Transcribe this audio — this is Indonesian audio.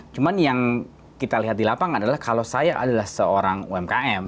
cuma yang kita lihat di lapangan adalah kalau saya adalah seorang umkm